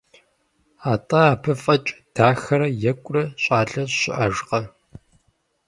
Атӏэ абы фӏэкӏ дахэрэ екӏурэ щӏалэ щыӏэжкъэ?